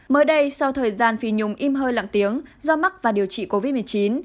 mới đây sau thời gian phì nhùng im hơi lặng tiếng do mắc và điều trị covid một mươi chín